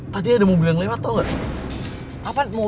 tadi ada mobil yang lewat tau gak